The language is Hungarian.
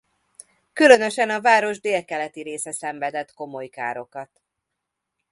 Különösen a város délkeleti része szenvedett komoly károkat.